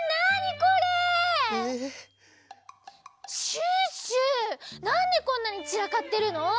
シュッシュなんでこんなにちらかってるの？